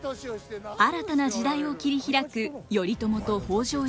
新たな時代を切り開く頼朝と北条一族。